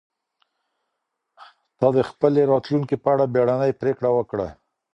تا د خپلي راتلونکي په اړه بیړنۍ پرېکړه وکړه.